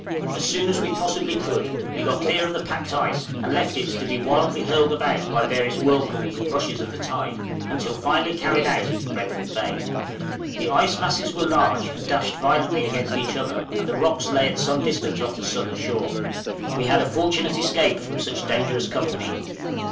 As soon as we possibly could we got clear of the packed ice, and left it to be wildly hurled about by various whirlpools and rushes of the tide, until finally carried out into Brentford Bay. The ice masses were large, and dashed violently against each other, and the rocks lay at some distance off the southern shore; we had a fortunate escape from such dangerous company.